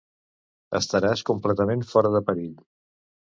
Estaràs completament fora de perill.